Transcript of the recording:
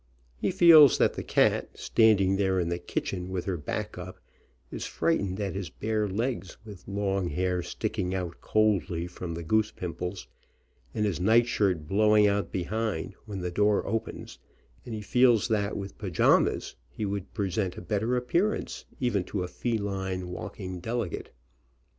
He feels that the cat, stand ing there in the kitchen, with her back up, is fright ened at his bare legs, with long hair sticking out coldly from the goose pimples, and his night shirt blowing out behind when the door opens, and he feels that with pajamas he would present a better appearance, even to a feline walking delegate.